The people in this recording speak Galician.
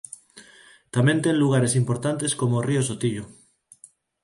Tamén ten lugares importantes como o río Sotillo.